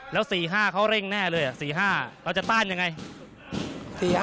แล้ว๔๕เขาเร่งแน่เลย๔๕เราจะต้านยังไง